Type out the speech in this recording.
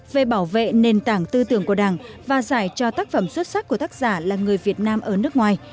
về bảo vệ nền tảng tư tưởng của đảng và giải cho tác phẩm xuất sắc của tác giả là người việt nam ở nước ngoài